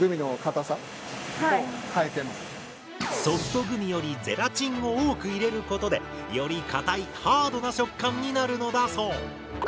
ソフトグミよりゼラチンを多く入れることでよりかたいハードな食感になるのだそう。